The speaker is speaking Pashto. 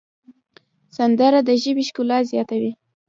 سندره د ژبې ښکلا زیاتوي